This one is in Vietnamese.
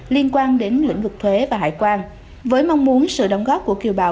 liên quan đến lĩnh vực thuế và hải quan với mong muốn sự đóng góp của kiều bào